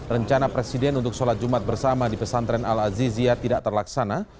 rencana presiden untuk sholat jumat bersama di pesantren al azizia tidak terlaksana